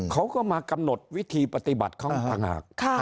เขาก็มากำหนดวิธีปฏิบัติเขาต่างหาก